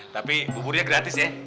tapi buburnya gratis ya